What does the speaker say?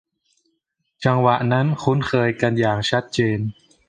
จังหวะนั้นคุ้นเคยกันอย่างชัดเจน